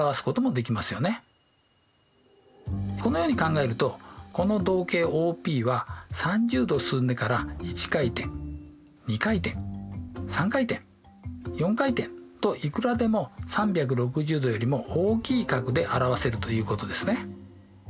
このように考えるとこの動径ＯＰは３０°進んでから１回転２回転３回転４回転といくらでも３６０°よりも大きい角で表せるということですね。